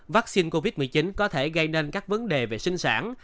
vaccine covid một mươi chín có thể gây nên các vấn đề về sinh sản